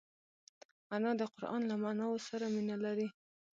انا د قران له معناوو سره مینه لري